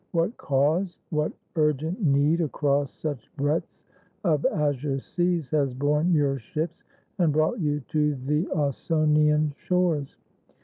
What cause, what urgent need Across such breadths of azure seas has borne Your ships, and brought you to the Ausonian shores